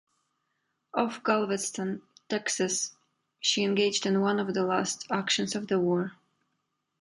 Off Galveston, Texas she engaged in one of the last actions of the war.